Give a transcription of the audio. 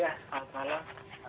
ya selamat malam